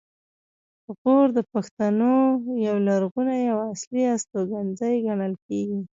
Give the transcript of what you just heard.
غور د پښتنو یو لرغونی او اصلي استوګنځی ګڼل کیږي